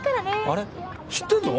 あれ知ってんの？